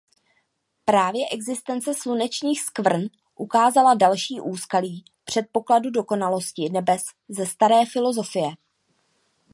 Právě existence slunečních skvrn ukázala další úskalí předpokladu dokonalosti nebes ze staré filosofie.